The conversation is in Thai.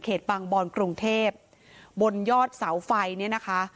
เขตปังบอลกรุงเทพฯบนยอดเสาไฟเนี้ยนะคะ